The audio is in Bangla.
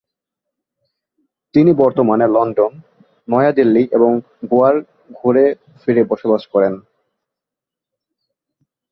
তিনি বর্তমানে লন্ডন, নতুন দিল্লি এবং গোয়ায় ঘুরে ফিরে বসবাস করেন।